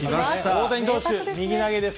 大谷投手、右投げです。